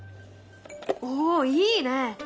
おっいいね！